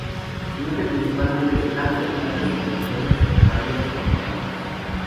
Se nutre principalmente de plancton, algas filamentosas y varias macroalgas.